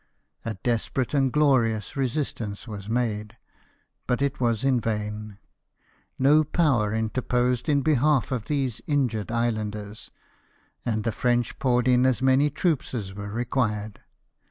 A desperate and glorious resistance was made ; but it was in vain ; no Power interposed in behalf of these injured islanders, and the French poured in as many troops as were required.